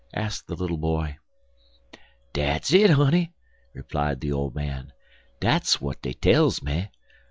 asked the little boy. "Dat's it, honey," replied the old man. "Dat's w'at dey tells me.